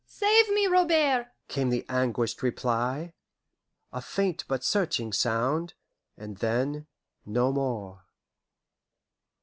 "Save me, Robert!" came the anguished reply, a faint but searching sound, and then no more.